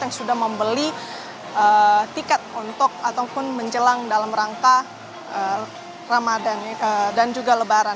yang sudah membeli tiket untuk ataupun menjelang dalam rangka ramadan dan juga lebaran